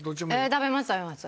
食べます食べます。